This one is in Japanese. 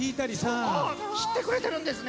知ってくれてるんですね。